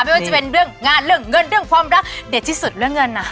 ไม่ว่าจะเป็นเรื่องงานเรื่องเงินเรื่องความรักเด็ดที่สุดเรื่องเงินนะ